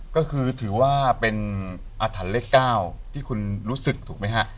ก็คือถือว่าเป็นอาถรรพ์เลข๙ที่คุณรู้สึกถูกไหมฮะ